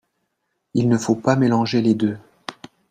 Il ne faut pas mélanger les deux.